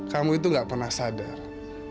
karena opi itu punya perasaan yang lebih sama kamu rangga